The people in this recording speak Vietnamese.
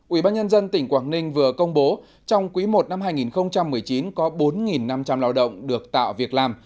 ủy ban nhân dân tỉnh quảng ninh vừa công bố trong quý i năm hai nghìn một mươi chín có bốn năm trăm linh lao động được tạo việc làm